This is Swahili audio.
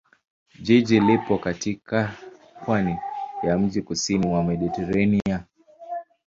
Jiji lipo katika pwani ya mjini kusini mwa Mediteranea.